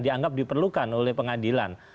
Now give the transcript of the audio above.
dianggap diperlukan oleh pengadilan